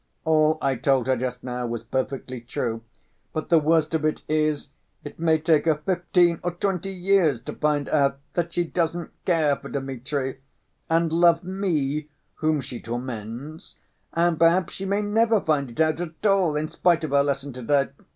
All I told her just now was perfectly true, but the worst of it is, it may take her fifteen or twenty years to find out that she doesn't care for Dmitri, and loves me whom she torments, and perhaps she may never find it out at all, in spite of her lesson to‐day.